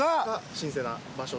神聖な場所で。